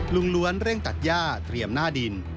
ล้วนเร่งตัดย่าเตรียมหน้าดิน